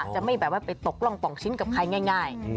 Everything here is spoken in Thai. จะไม่แบบว่าไปตกร่องป่องชิ้นกับใครง่าย